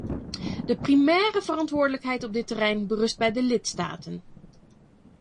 De primaire verantwoordelijkheid op dit terrein berust bij de lidstaten.